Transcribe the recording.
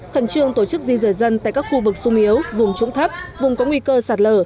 khẩn trương tổ chức di dời dân tại các khu vực sung yếu vùng trũng thấp vùng có nguy cơ sạt lở